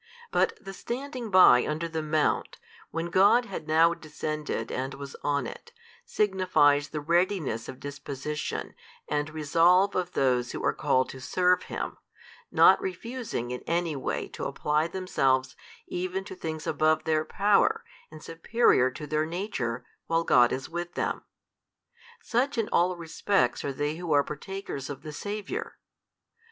But the standing by under the mount, when God had now descended and was on it, signifies the readiness of disposition and resolve of those who are called to serve Him, not refusing in any way to apply themselves even to things above their power and superior to their nature, while God is with them. Such in all respects are they who are partakers of the Saviour.